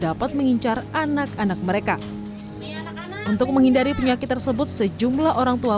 dapat mengincar anak anak mereka untuk menghindari penyakit tersebut sejumlah orang tua